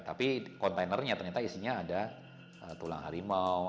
tapi kontainernya ternyata isinya ada tulang harimau